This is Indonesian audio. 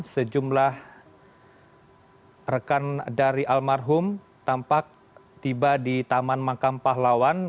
sejumlah rekan dari almarhum tampak tiba di taman makam pahlawan